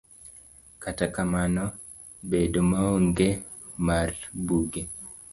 Kata kamano, bedo maonge mar buge